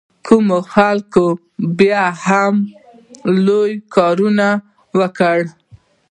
کم خلک به هم لوی کارونه وکړي.